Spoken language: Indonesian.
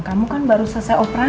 kamu kan baru selesai operasi